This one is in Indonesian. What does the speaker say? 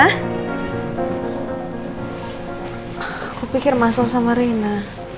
aku pikir masuk sama rina